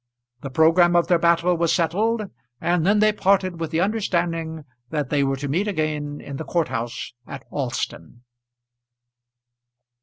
The programme of their battle was settled, and then they parted with the understanding that they were to meet again in the court house at Alston.